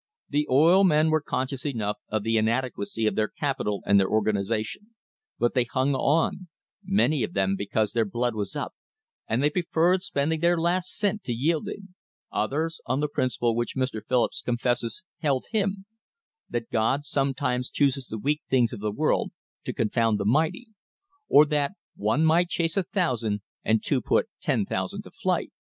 The oil men were conscious enough of the inadequacy of their capital and their organisation, but they hung on, many of them because their blood was up, and they preferred spending their lafct cent to yielding; others on the principle which Mr. Phillips confesses held him, "that God some times chooses the weak things of the world to confound the mighty"; or that "one might chase a thousand, and two put ten thousand to flight."